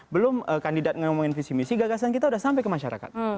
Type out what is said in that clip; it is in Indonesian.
belum kandidat ngomongin visi misi gagasan kita sudah sampai ke masyarakat